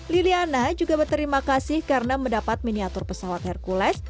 liliana juga berterima kasih karena mendapat miniatur pesawat hercules